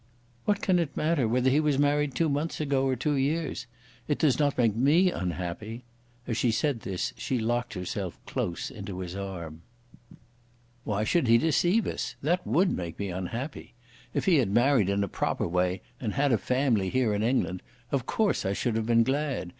"What can it matter whether he was married two months ago or two years? It does not make me unhappy;" as she said this, she locked herself close into his arm. "Why should he deceive us? That would make me unhappy. If he had married in a proper way and had a family, here in England, of course I should have been glad.